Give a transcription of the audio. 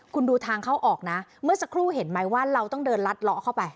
คุณดูทางเข้าออกนะเมื่อสักครู่เห็นไหมว่าเราต้องเดินลัดล้อเข้าไป